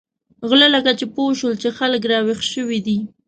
غله لکه چې پوه شول چې خلک را وېښ شوي دي.